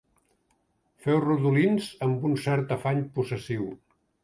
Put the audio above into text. Feu rodolins amb un cert afany possessiu.